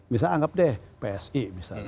misalnya anggap deh psi